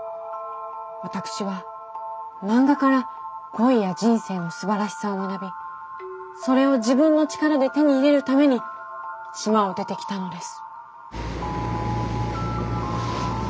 私は漫画から恋や人生のすばらしさを学びそれを自分の力で手に入れるために島を出てきたのです。